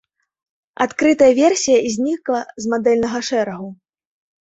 Адкрытая версія знікла з мадэльнага шэрагу.